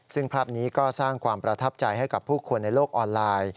ซึ่งภาพนี้ก็สร้างความประทับใจให้กับผู้คนในโลกออนไลน์